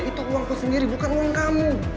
itu uangku sendiri bukan uang kamu